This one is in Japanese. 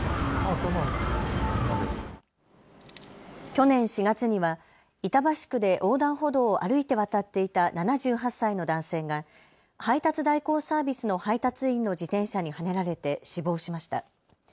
去年４月には板橋区で横断歩道を歩いて渡っていた７８歳の男性が配達代行サービスの配達員の自転車にはねられて死亡しました。